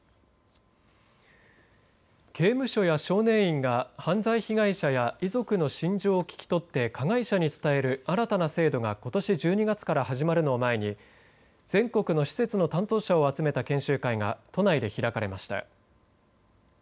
刑務所や少年院が犯罪被害者や遺族の心情を聞き取って加害者に伝える新たな制度がことし１２月から始まるのを前に全国の施設の担当者を集めた研修会が都内で開かれました。